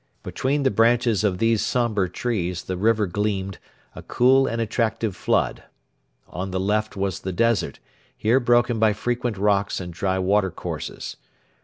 Between the branches of these sombre trees the river gleamed, a cool and attractive flood. On the left was the desert, here broken by frequent rocks and dry watercourses.